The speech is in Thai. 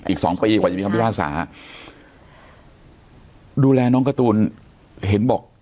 อีกสองปีกว่าจะมีความพิวัติศาสตร์ดูแลน้องกระตูนเห็นบอก